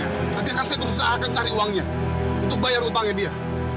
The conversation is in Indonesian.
nanti akan saya berusaha akan cari uangnya untuk bayar utangnya dia